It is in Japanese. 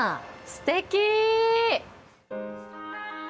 すてき。